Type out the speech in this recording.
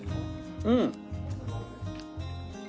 うん！